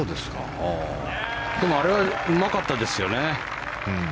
あれはうまかったですよね。